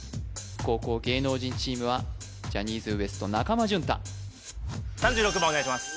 後攻芸能人チームはジャニーズＷＥＳＴ中間淳太３６番お願いします